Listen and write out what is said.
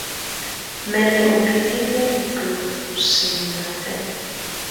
Mɛ́ lɛ́ ù bilikǝ́likǝ́ ɔ́ sinǝ niɔ̀fɛna.